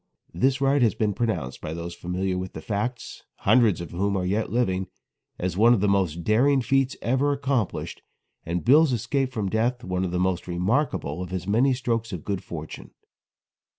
This ride has been pronounced by those familiar with the facts hundreds of whom are yet living as one of the most daring feats ever accomplished, and Bill's escape from death one of the most remarkable of his many strokes of good fortune.